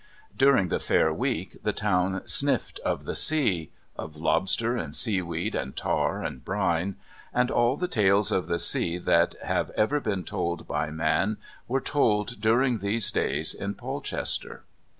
During the fair week the town sniffed of the sea of lobster and seaweed and tar and brine and all the tales of the sea that have ever been told by man were told during these days in Polchester.